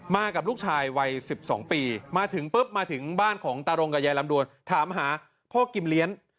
กับลูกชายวัย๑๒ปีมาถึงปุ๊บมาถึงบ้านของตารงกับยายลำดวนถามหาพ่อกิมเลี้ยง